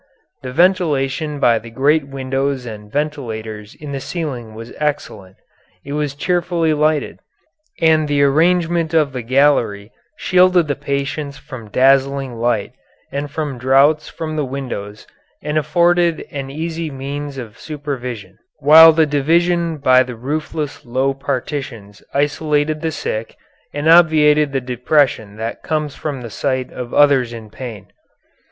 "The ventilation by the great windows and ventilators in the ceiling was excellent; it was cheerfully lighted; and the arrangement of the gallery shielded the patients from dazzling light and from draughts from the windows and afforded an easy means of supervision, while the division by the roofless low partitions isolated the sick and obviated the depression that comes from sight of others in pain.